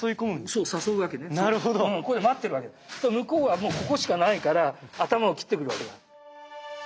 すると向こうはもうここしかないから頭を斬ってくるわけだ。